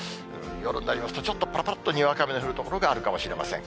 夜になりますとちょっとぱらぱらっとにわか雨の降る所があるかもしれません。